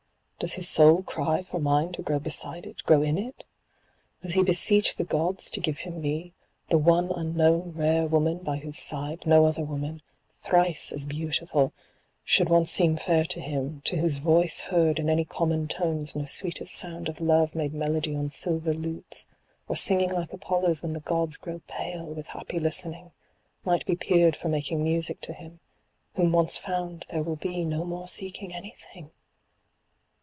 does his soul cry for mine to grow beside it, grow in it? does he beseech the gods to give him me, the one unknown rare woman by whose side no other woman, thrice as beautiful, should once seem fair to him ; to whose voice heard in any common tones no sweetest sound of love made melody on silver lutes, or singing like Apollo's when the gods grow pale with happy listening, might be peered for making music to him; whom once found there will be no more seeking anything?